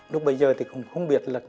lúc bây giờ thì cũng không biết là